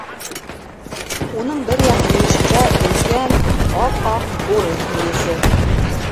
Уның бер яҡ мөйөшөндә өлкән ап-аҡ урыҫ мейесе.